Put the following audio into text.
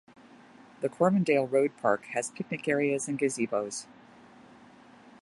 The Corbindale Road park has picnic areas and gazebos.